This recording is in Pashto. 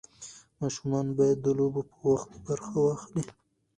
ماشوم باید د لوبو په وخت برخه واخلي.